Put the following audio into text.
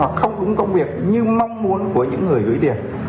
hoặc không đúng công việc như mong muốn của những người gửi tiền